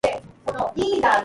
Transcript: In the story line.